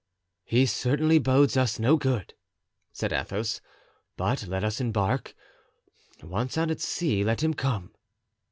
"He certainly bodes us no good," said Athos; "but let us embark; once out at sea, let him come."